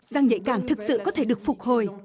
rằng nhạy cảm thực sự có thể được phục hồi